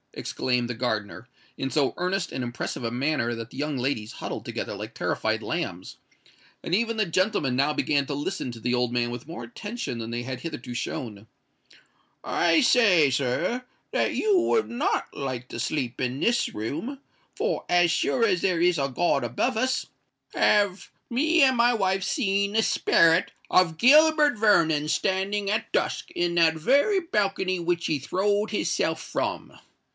exclaimed the gardener, in so earnest and impressive a manner that the young ladies huddled together like terrified lambs, and even the gentlemen now began to listen to the old man with more attention than they had hitherto shown: "I say, sir, that you would not like to sleep in this room—for, as sure as there is a God above us, have me and my wife seen the sperret of Gilbert Vernon standing at dusk in that very balcony which he throwed his self from."